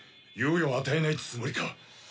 猶予を与えないつもりか。